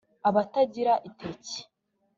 abatagira iketi